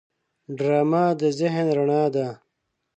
ډرامه د ذهن رڼا ده